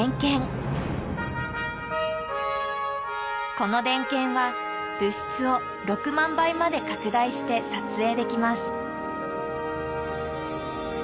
このデンケンは物質を６万倍まで拡大して撮影できます。